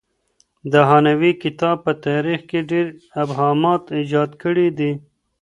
د هانوې کتاب په تاریخ کې ډېر ابهامات ایجاد کړي دي.